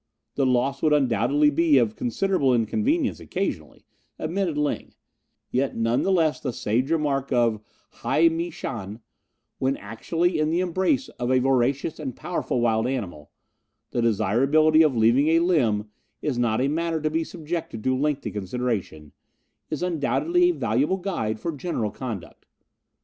"The loss would undoubtedly be of considerable inconvenience occasionally," admitted Ling, "yet none the less the sage remark of Huai Mei shan, 'When actually in the embrace of a voracious and powerful wild animal, the desirability of leaving a limb is not a matter to be subjected to lengthy consideration,' is undoubtedly a valuable guide for general conduct.